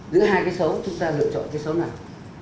giữa hai cái số chúng ta lựa chọn cái số nào